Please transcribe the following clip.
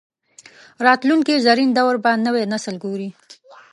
راتلونکي زرین دور به نوی نسل ګوري